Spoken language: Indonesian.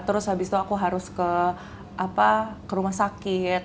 terus habis itu aku harus ke rumah sakit